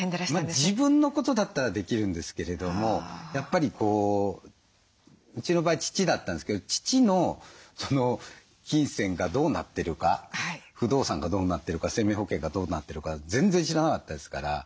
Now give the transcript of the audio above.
自分のことだったらできるんですけれどもやっぱりこううちの場合父だったんですけど父の金銭がどうなってるか不動産がどうなってるか生命保険がどうなってるか全然知らなかったですから。